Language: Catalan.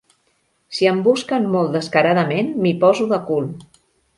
Si em busquen molt descaradament m'hi poso de cul.